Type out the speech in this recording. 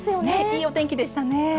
いいお天気でしたね。